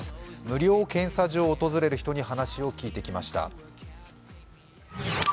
無料検査場を訪れる人に話を聞いてきました。